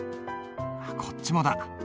こっちもだ。